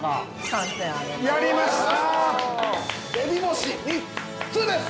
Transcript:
◆３点あげます。